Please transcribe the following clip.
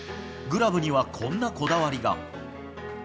グラブにはこんなこだわりが。